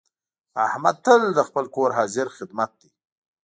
احمد تل د خپل کور حاضر خدمت دی.